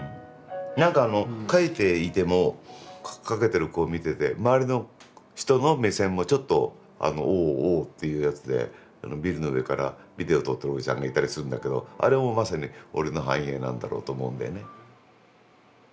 何か描いていても駆けてる子を見てて周りの人の目線もちょっと「おお」っていうやつでビルの上からビデオ撮ってるおじさんがいたりするんだけどあれもうまさに俺の反映なんだろうと思うんだよね。